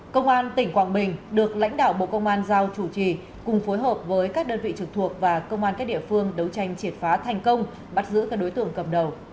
công an tỉnh quảng bình được lãnh đạo bộ công an giao chủ trì cùng phối hợp với các đơn vị trực thuộc và công an các địa phương đấu tranh triệt phá thành công bắt giữ các đối tượng cầm đầu